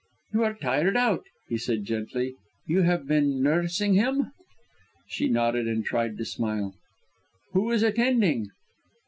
"You are tired out," he said gently. "You have been nursing him?" She nodded and tried to smile. "Who is attending?"